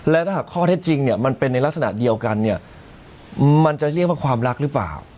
และถ้าหากข้อเท็จจริงเนี่ยมันเป็นในลักษณะเดียวกันเนี่ยมันจะเรียกว่าความรักหรือเปล่า